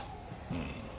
うん。